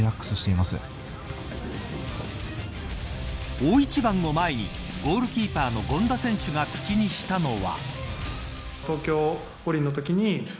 大一番を前にゴールキーパーの権田選手が口にしたのは。